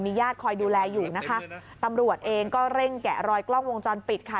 ญาติคอยดูแลอยู่นะคะตำรวจเองก็เร่งแกะรอยกล้องวงจรปิดค่ะ